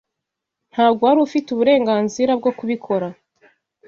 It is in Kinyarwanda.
Ntabwo wari ufite uburenganzira bwo kubikora.